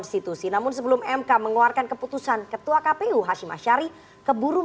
terima kasih sudah hadir